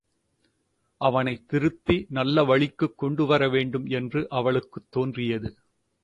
அவனைத் திருத்தி நல்லவழிக்குக் கொண்டு வரவேண்டும் என்று அவளுக்குத் தோன்றியது.